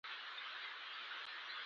اوس یې قانوني قدرت په لاس کې و.